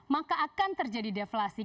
maka akan terjadi deflasi